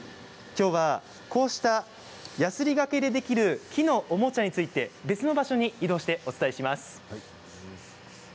きょうはこうしたやすりがけでできる木のおもちゃについて別の場所に移動してお伝えします。